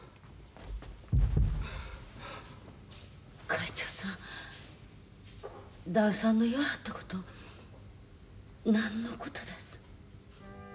会長さん旦さんの言わはったこと何のことだす？